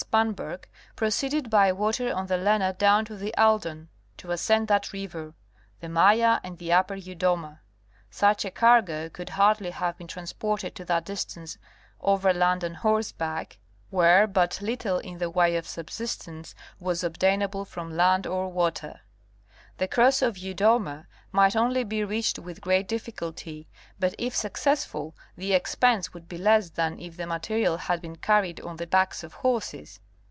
Spanberg, pro ceeded by water on the Lena down to the Aldan to ascend that river, the Maya and the upper Yudoma. Such a cargo could 'hardly have been transported to that distance overland on horse 138 National Geographic Magazine. back where but little in the way of subsistence was obtainable | from land or water. The Cross of Yudoma might only be reached with great difficulty, but if successful the expense would be less than if the material had been carried on the backs of horses.